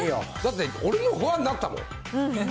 だって俺もファンになったもん。